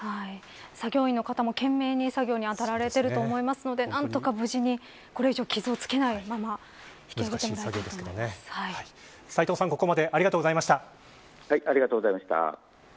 作業員の方も懸命に作業に当たられていると思いますので、何とか無事にこれ以上傷をつけないまま斎藤さん、ここまでありがとうございました。